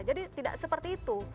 jadi tidak seperti itu